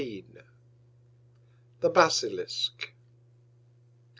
The BASILISK.